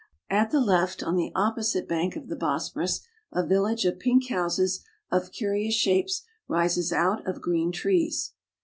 &t the left, on the opposite bank of the Bosporus, a village of IN CONSTANTINOPLE. 365 pink houses of curious shapes rises out of green trees.